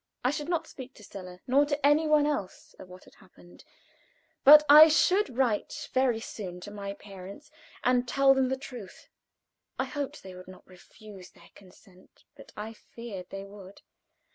I should not speak to Stella, nor to any one else of what had happened, but I should write very soon to my parents and tell them the truth. I hoped they would not refuse their consent, but I feared they would.